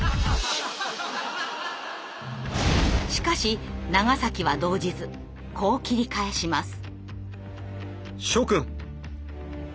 しかし長は動じずこう切り返します。